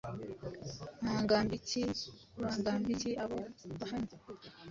bangambiki bangambiki abo bahanya